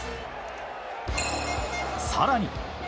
さらに。